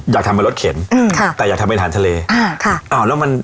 อยากทำเป็นรถเข็นอืมค่ะแต่อยากทำเป็นอาหารทะเลอ่าค่ะอ่าแล้วมัน